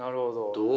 どう？